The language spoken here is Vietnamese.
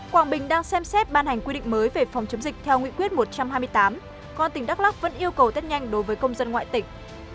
quảng bình đang xem xét ban hành quy định mới về phòng chống dịch theo nguyện quyết một trăm hai mươi tám còn tỉnh đắk lắc vẫn yêu cầu tết nhanh đối với công dân ngoại tỉnh